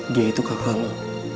dia itu kakak lu